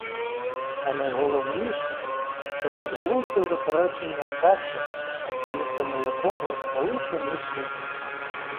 А найголовніше — це безглузде заперечення факту, свідками якого були самі судді.